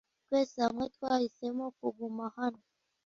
Twese hamwe twahisemo kuguma hano